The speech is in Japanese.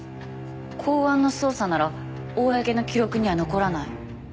公安の捜査なら公の記録には残らない。